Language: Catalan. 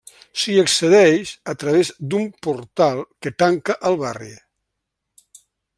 S'hi accedeix a través d'un portal que tanca el barri.